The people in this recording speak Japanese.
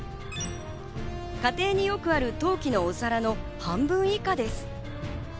家庭によくある陶器のお皿の半分以下です。